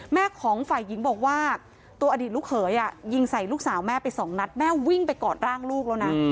แม่ของฝ่ายหญิงบอกว่าตัวอดีตลูกเขยยิงใส่ลูกสาวแม่ไปสองนัดแม่วิ่งไปกอดร่างลูกแล้วนะ